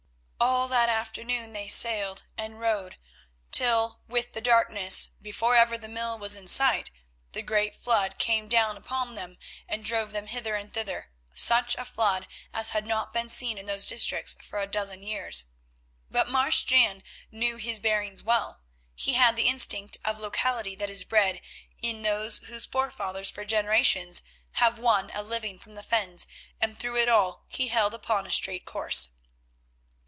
All that afternoon they sailed and rowed, till, with the darkness, before ever the mill was in sight, the great flood came down upon them and drove them hither and thither, such a flood as had not been seen in those districts for a dozen years. But Marsh Jan knew his bearings well; he had the instinct of locality that is bred in those whose forefathers for generations have won a living from the fens, and through it all he held upon a straight course.